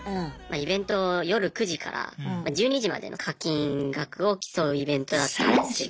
イベント夜９時から１２時までの課金額を競うイベントだったんですけど。